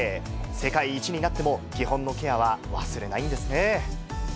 世界一になっても、基本のケアは忘れないんですね。